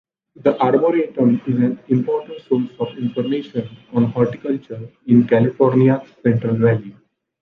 The Arboretum is an important source of information on horticulture in California's Central Valley.